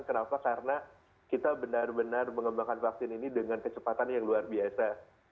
kenapa karena kita benar benar mengembangkan vaksin ini dengan kecepatan yang luar biasa